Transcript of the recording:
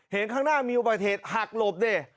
เห็นข้างหน้ามีอุบัติเทศหักหลบเนี่ย